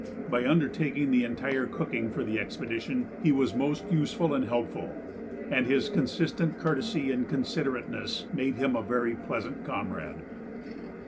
By undertaking the entire cooking for the expedition he was most useful and helpful, and his consistent courtesy and considerateness made him a very pleasant comrade.